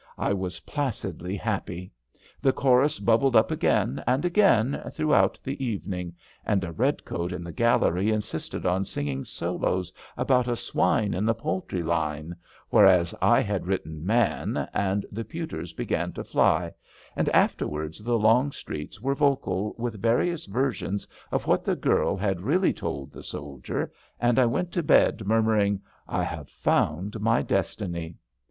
I was placidly happy. The chorus bubbled up again and again throughout the even ingy and a redcoat in the gallery insisted on singing solos about *^ a swine in the poultry line/' whereas I had written man,*' and the pewters began to fly, and afterwards the long streets were vocal with various versions of what the girl had really told the soldier, and I went to bed mur muring: I have found my destiny.''